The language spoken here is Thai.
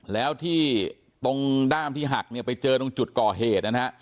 แล้วที่ตรงด้ามที่หักเนี่ยไปเจอตรงจุดก่อเหตุนะฮะ